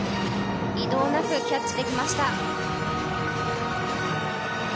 移動なくキャッチできました。